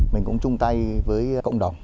mình cũng chung tay với cộng đồng